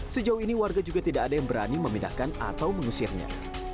sejauh ini warga juga tidak ada yang berani memindahkan atau mengusirnya